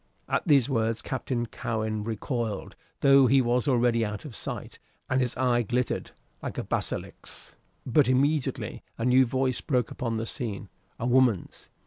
At these words Captain Cowen recoiled, though he was already out of sight, and his eye glittered like a basilisk's. But immediately a new voice broke upon the scene, a woman's.